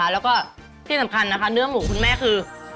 แล้วก็ที่สำคัญนะคะเนื้อหมูคุณแม่คือ